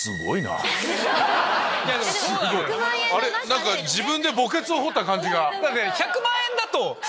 何か自分で墓穴を掘った感じが。